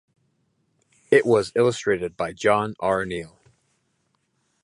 It was Illustrated by John R. Neill.